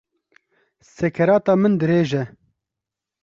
Sekereta min dirêj e